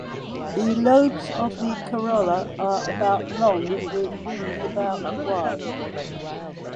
The lobes of the corolla are about long with wings about wide.